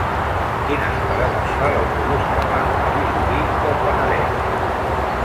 Quines parades fa l'autobús que va a Vilobí del Penedès?